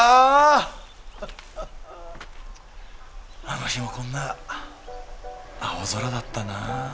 あの日もこんな青空だったな。